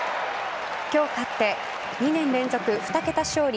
今日勝って、２年連続２桁勝利